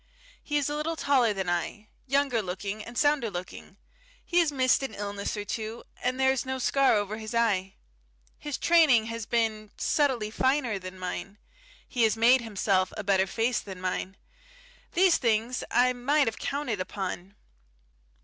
He is a little taller than I, younger looking and sounder looking; he has missed an illness or so, and there is no scar over his eye. His training has been subtly finer than mine; he has made himself a better face than mine.... These things I might have counted upon.